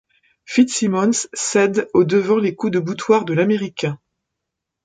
Fitzsimmons cède au devant les coups de boutoir de l’Américain.